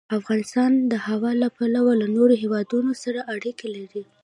افغانستان د هوا له پلوه له نورو هېوادونو سره اړیکې لري.